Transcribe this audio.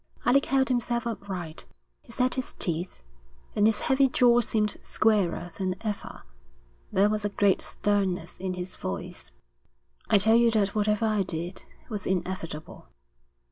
Alec held himself upright. He set his teeth, and his heavy jaw seemed squarer than ever. There was a great sternness in his voice. 'I tell you that whatever I did was inevitable.'